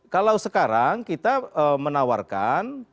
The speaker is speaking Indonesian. kalau sekarang kita menawarkan